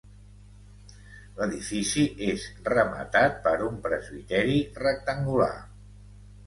L'edifici és rematat per un presbiteri rectangular.